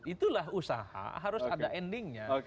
itulah usaha harus ada endingnya